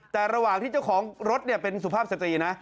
แต่ระหว่างที่เจ้าของรถเป็นสุภาพสตรีนะ